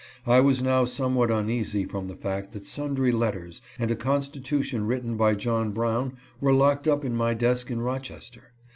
I was now somewhat uneasy from the fact that sundry let ters and a constitution written by John Brown were locked up in my desk in Rochester.